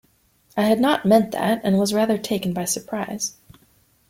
I had not meant that, and was rather taken by surprise.